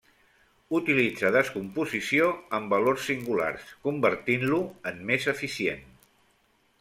Utilitza descomposició en valors singulars, convertint-lo en més eficient.